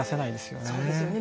そうですよね。